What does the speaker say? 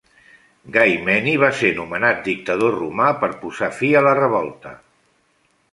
Gai Meni va ser nomenat dictador romà per posar fi a la revolta.